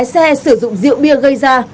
xe sử dụng rượu bia gây ra